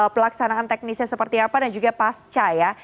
pelaksanaan teknisnya seperti apa